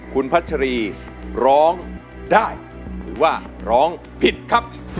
คุณพัชรีร้องได้หรือว่าร้องผิดครับ